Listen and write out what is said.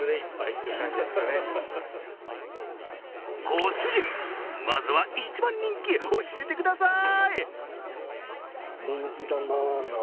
ご主人、まずは一番人気教えてください。